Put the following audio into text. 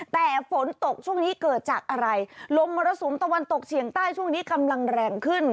แต่ฝนตกช่วงนี้เกิดจากอะไรลมมรสุมตะวันตกเฉียงใต้ช่วงนี้กำลังแรงขึ้น